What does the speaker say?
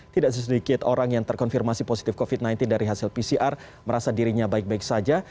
tidak sedikit orang yang terkonfirmasi positif covid sembilan belas dari hasil pcr merasa dirinya baik baik saja